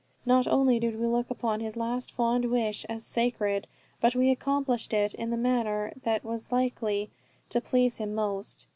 Not only did we look upon his last fond wish as sacred, but we accomplished it in the manner that was likely to please him most.